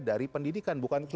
jadi cuman bagian saja